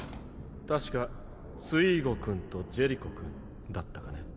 確かツイーゴ君とジェリコ君だったかね？